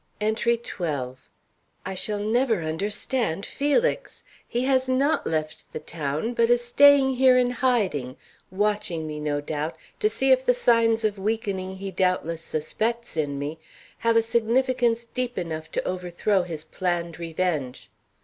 ENTRY XII. I shall never understand Felix. He has not left the town, but is staying here in hiding, watching me, no doubt, to see if the signs of weakening he doubtless suspects in me have a significance deep enough to overthrow his planned revenge.